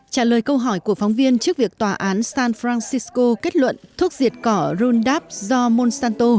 trả lời câu hỏi của phóng viên trước việc tòa án san francisco kết luận thuốc diệt cỏ rundap do monsanto